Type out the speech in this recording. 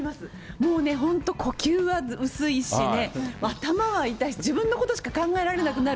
もうね、本当、呼吸は薄いしね、頭は痛いしね、自分のことしか考えられなくなる。